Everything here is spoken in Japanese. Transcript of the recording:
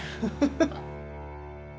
フフフ。